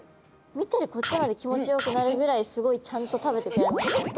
見てるこっちまで気持ちよくなるぐらいすごいちゃんと食べてくれますね。